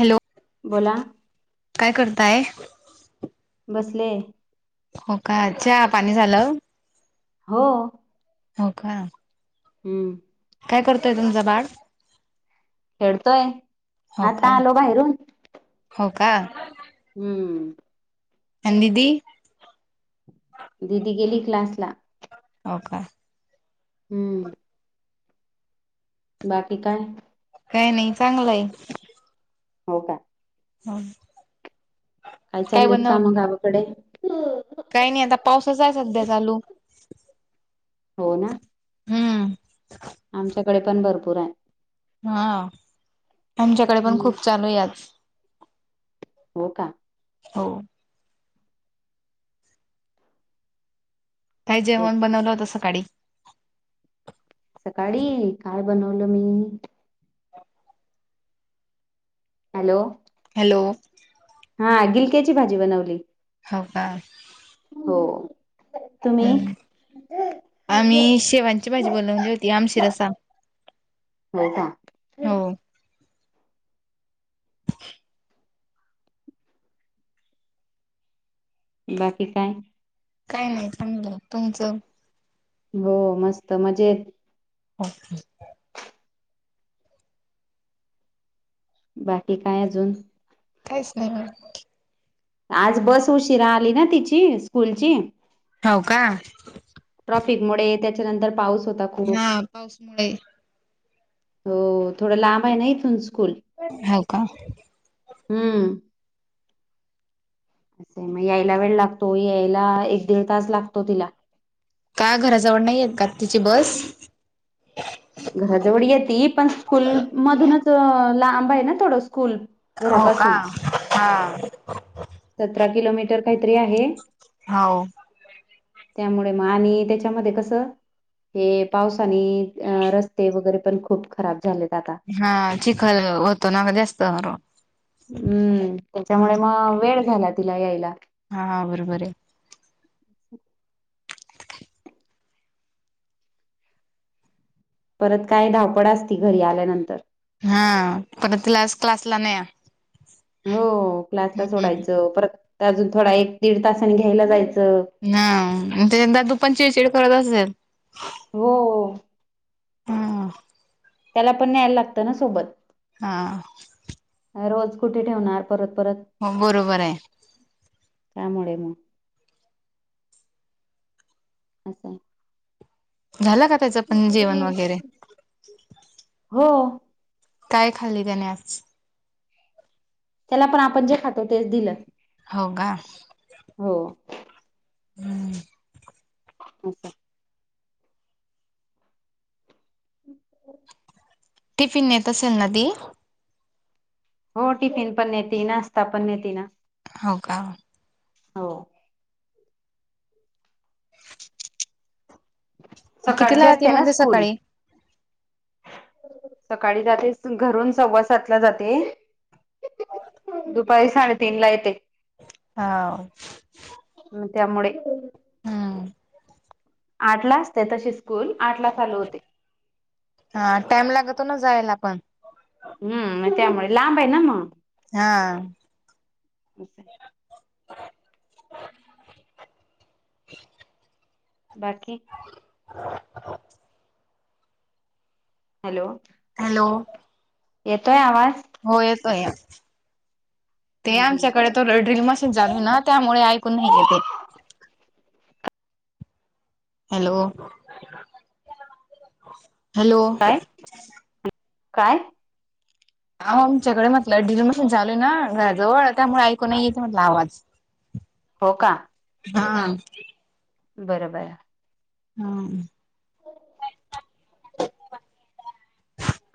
Hello बोला काय करताय बसलेय हो का चा पाणी झालं. हो हो का हम्म काय करतय तुमचं बाळ खेळतोय हो का आता आलो बाहेरून. हो का. हम्म आणि दय दिदी गेली क्लासला. हो का हम्म बाकी काय काय नाई चांगलंय हो का [inaudible] काय चालयत मग काम गावाकडे काय नई आता पाऊसच हाय सध्या चालू हो ना हम्म आमच्याकडे पण भरपूर आहे. हा आमच्याकडे पण हम्म खूप चालू आहे आज हो का हो काय जेवण तेच बनवलं होतं सकाळी? सकाळी काय बनवलं मी हॅलो हॅलो हा गिलक्याची भाजी बनवली. हो का हो तुम्ही हम्म आम्ही शेवांची माझी बनवली होती आमशीरसा. होय काय बाकी काय काय नाही चांगलंय तुमच. हो मस्त मजेत. [inaudible] बाकी काय अजून? काहीच नाही [unintelligible] आज बस उशिरा आली ना तिची स्कूलची. हो का? ट्रॉफिकमुळे त्याच्यानंतर पाऊस होता. खूप हां पाऊसमुळे. हो थोडं लांब आहे ना इथून स्कूल. हो का? हम्म. असं मग यायला वेळ लागतो, यायला एक दीड तास लागतो तिला. का घराजवळ नाही येत का तिची बस? घराजवळ येती पण स्कूल मधूनच लांब आहे ना थोडं स्कूल. हो का? घरापासून हां. सतरा किलोमीटर काहीतरी आहे. हो. त्यामुळे मग आणि त्याच्यामध्ये कसं हे पावसाने अ रस्ते वगैरे पण खूप खराब झालेत आता. हां चिखल होतो ना [unintelligible] हम्म त्याच्यामुळे हम्म. मग वेळ झाला तिला यायला. हां बरोबर आहे. परत काय धावपड असती घरी आल्यानंतर. हां आता क्लास क्लासला न्या. हो क्लासला सोडायचं परत अजून थोडा एक दीड तासाने घ्यायला जायचं. हां [unintelligible] तू पण चिडचिड करत असेल. हो. हां. त्याला पण न्यायला लागतं ना सोबत. हां. रोज कुठे ठेवणार परत परत? हो बरोबर आहे. चांगलय मग. असं आहे. झालं का त्याचं पण जेवण आहे. वगैरे? हो. काय खाल्ली त्याने आज? त्याला पण आपण जे खातोय तेच दिलं. हो का? हो. हम्म. [unintelligible] [inaudible] टिफिन देत असेल ना ती? हो टिफिन पण नेते आणि नाश्ता पण नेते ना. हो का? हो. सकाळची कितीला येती असते ना म्हणली स्कूल. सकाळी सकाळी जाते सून घरून सव्वासात ला जाते. दुपारी साडेतीन ला येते. हा... ह त्या मुळे हा... आठला असते तशी स्कूल आठला चालू होते. हा टाईम लागतो ना जायला पण हम मग त्या मुळे लांब आहे ना मग हा. बशा [inaudible] नाही ला [unintelligible] बाकी हा ह [unintelligible] हॅलो... हॅलो... येतोय आवाज हो येतोय ते हम्म हम्म आमच्याकडे टूलर ड्रिल मशीन चालू आहे ना त्यामुळे ऐकू नाही येते. हॅलो....... हॅलो काय काय आवो आमच्याकडे म्हटलं डिल मशीन चालू आहे ना घराजवळ त्यामुळे ऐकू नाहीयेत म्हटलं आवाज [inaudible] हो का... हा.... बरं बया हा.... हो [inaudible]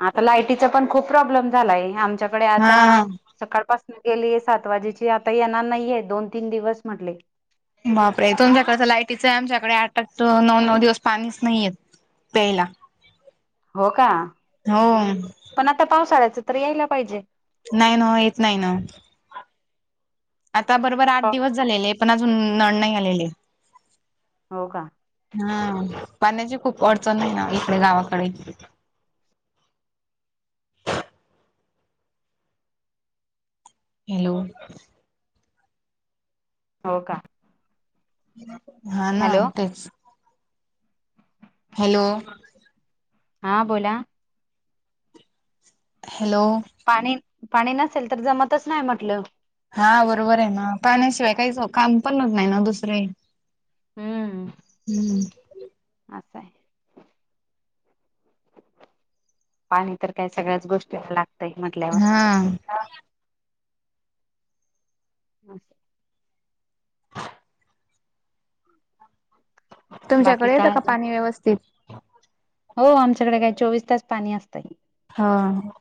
आत्ता लाईटीचा पण खूप प्रॉब्लेम झालाय आमच्याकडे आता हा सकाळपासून गेलीय सात वाजेची आता येणार नाहीये दोन-तीन दिवस म्हटले. बापरे तुमच्याकडे तर लाईटीच आमच्याकडे आठ आठ नऊ दिवस पाणीच नाहीये येत. प्यायला हो का हो पण आता पावसाळ्याचं तर यायला पाहिजे. नाही नवं येत नाही नवं आता बरोबर आठ दिवस झालेले पण अजून नाही आलेले. होका हम पाण्याची खूप अडचण नाय ना इकडे गावाकडे हॅलो... हो का हा ना हॅलो तेच हॅलो. हा बोला. हॅलो... पाणी पाणी नसेल तर जमतच नाही म्हटलं. हा बरोबर आहे ना पाण्याशिवाय काहीच काम पण होत नाय ना दुसरे हम्म आ स हे. पाणी तर काय सगळ्याच गोष्टी लागतय म्हटल्यावर. हा हा. बाकी तुमच्याकडे येतं काय का अजून? पाणी व्यवस्थित? हो आमच्याकडे काय चोवीस तास पाणी असतय. हा ह.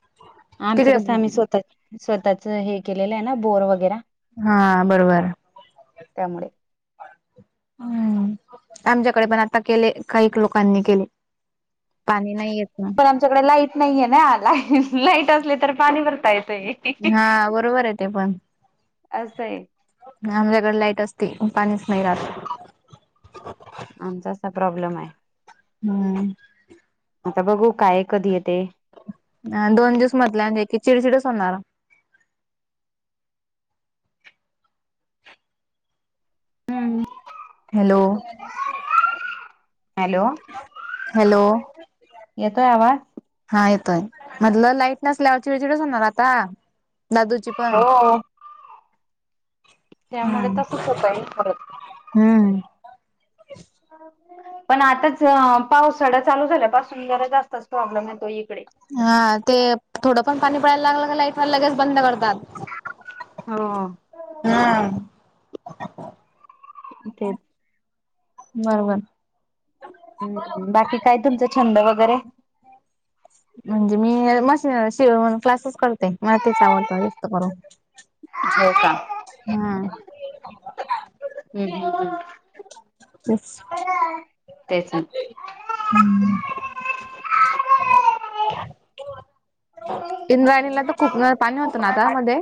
आमचं कसं आम्ही स्वतः स्वतःच हे केलेलं आहे ना बोर वगैरा हा बरोबर त्यामुळे हम्म आमच्याकडे पण आता केले काही लोकांनी केले. पाणी नाही येत ना. पण आमच्या इकड लाईट नाहीये ना लाई लाईट असले तर भरता येत हा बरोबर आहे ते पण. असं आहे आमच्याकडे लाईट असते, पण पाणीच नाही राहत. आमचा असा प्रॉब्लेम आहे. हम्म आता बघू काय कधी येते? अ दोन दिवस म्हटल्यान की चिडचिडच होणार. हम्म, हॅलो हॅलो, हॅलो येतोय आवाज? हा येतोय मधलं लाईटनसल्यावर चिडचिडच होणार आता दादूची. पण हो त्यामुळे तसच होता येईल परत. हम्म. पण आताच पावसाळा चालू झाल्या पाासून जरा जास्तच प्रॉब्लेम येतो इकडे. हा ते थोडं पण पाणी पडायला लागलं का लाईट लगेच बंद करतात. हो हा. तेच बर बर. बाकी काय तुमचा छंद वगैरे? [unintelligible] म्हणजे मी मशीन क्लासेस तेच आवडतं जास्त करून. हो का? हा. हम्म हम्म तेच. हम्म तेच ना. हम्म इंद्रायणीला तर खूप पाणी होतं ना आता मध्ये?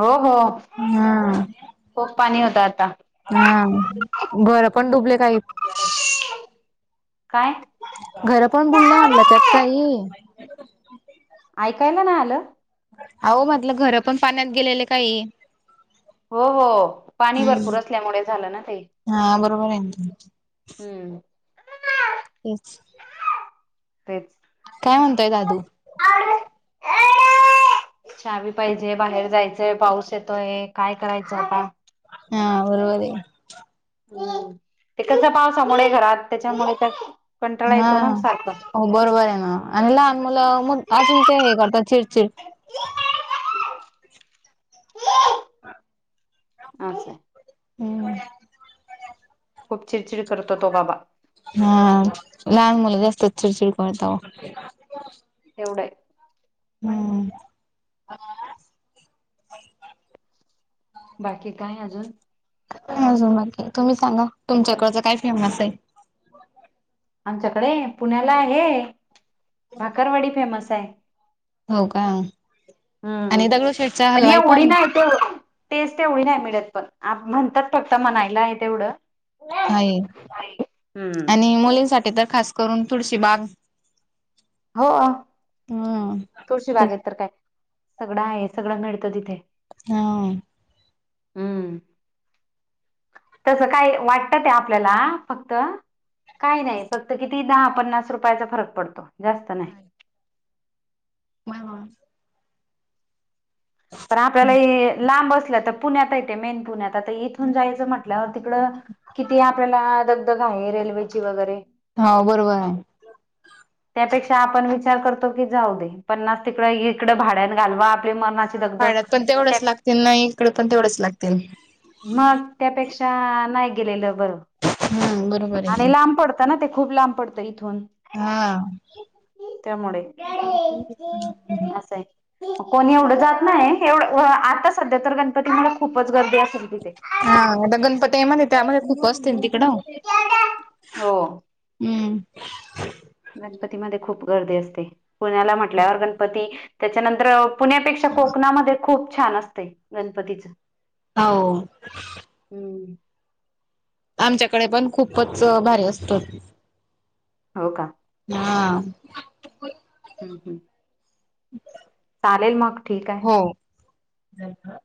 हो हो. ना. खूप पाणी होत आता. हा घर पण डुबले काही. काय? घर पण बुडल मणल त्यात काही ऐकायला नाही आलं? आ हो म्हटलं घर पण पाण्यात गेलेलं काही हो हो पाणी हम्म. भरपूर असल्यामुळे झालं ना ते. हा बरोबर आहे ना हम्म. तेच. तेच. काय म्हणतोय दादू? च्यावी पाहिजे बाहेर जायचंय पाऊस येतोय काय करायचं आता? हा बरोबर हम्म ये. ते कस पावसामुळे घरात त्याच्यामुळे त्या कंटाळा हा येतो ना सारखं. हो बरोबर आहे न आणि लहान मुलं मग अजून ते हे करतात चिडचिड. [unintelligible] [unintelligible] आस [unintelligible] हम्म. खूप चिडचिड करतो तो बाबा. हा लहान मुलं जास्त चिडचिड करतव एवढय. हम्. बाकी काय अजून? अजून बाकी तुम्ही सांगा तुमच्याकडच काय फेमस आहे? आमच्याकडे पुण्याला हे भाकरवाडी फेमस आहे. हो का हम्म हम आणि दगडूशेठचा पण हलवाई एवडी नाहि [unintelligible] टेस्ट तेवढी नाही मिळत पण म्हणतात फक्त म्हणायला आहे तेवढं हाय हम्म आणि मुलींसाठी तर खास करून तुळशी बाग हो ह तुळशी बागेत काय तर काय सगळं आहे सगळं मिळतं तिथे. ह. हम्म. तस काय वाटतं ते आपल्याला फक्त काही नाही फक्त किती दहा पन्नास रुपयाचा फरक पडतो जास्त नाही. मायव्ह [unintelligible] पण आपल्याला हे लांब असलं तर पुण्यात हाय ते मेन पुण्यात. आता इथून जायचं म्हटल्यावर तिकडं किती आपल्याला दगदग आहे रेल्वेची वगैरे हव बरोबर आहे. त्यापेक्षा आपण विचार करतो की जाऊ दे पन्नास तिकड इकडं भाड्यान घालवा मरणाची हा दगदग भाड्यात पण तेवढंच त्या लागतील ना इकडे पण तेवढंच लागतील. मग त्यापेक्षा नाय गेलेलं बरं. हम्म बरोबर आहे की. आणि लांब पडत ना ते खूप लांब पडतं इथून. हा त्यामुळे असाय कोणी एवढं जात नाही एवढ आता सध्या तर गणपती मुळे खूपच गर्दी अस़ल. हा आता गणपतीमध्ये त्यामध्ये खूप असतील तिकडं हो हम्म. गणपतीमध्ये खूप गर्दी असते, पुण्याला म्हटल्यावर गणपती त्याच्यानंतर पुण्यापेक्षा कोकणामध्ये खूप छान असतंय गणपतीचं. हो. हम्म. आमच्याकडे पण खूपच भारी असतो. हो का? हां. हम्म हम्म. [unintelligible] चालेल मग ठीक हाय. हो [unintelligible]